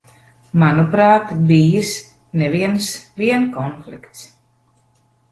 Manuprāt, bijis ne viens vien konflikts.